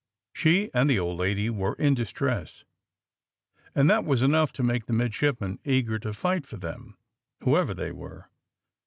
She and the old lady were in distress, and that was enough to make the midshipmen eager to fight for them, whoever they were.